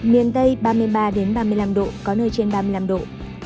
miền tây ba mươi ba ba mươi năm độ có nơi trên ba mươi năm độ